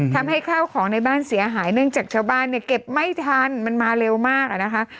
ทำให้ข้าวของในบ้านเสียหายเนื่องจากชาวบ้านเนี่ยเก็บไม่ทันมันมาเร็วมากอะนะคะ